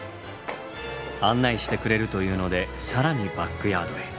案内してくれるというので更にバックヤードへ。